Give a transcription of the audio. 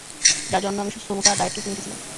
যার জন্য আমি সমুচা আর ডায়েট কেক নিয়ে এসেছিলাম।